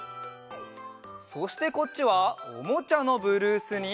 そしてこっちは「おもちゃのブルース」に。